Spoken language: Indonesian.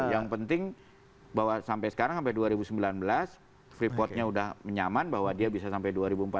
yang penting bahwa sampai sekarang sampai dua ribu sembilan belas freeportnya sudah menyaman bahwa dia bisa sampai dua ribu empat belas